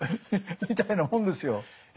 みたいなもんですよ。